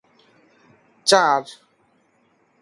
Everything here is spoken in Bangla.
চার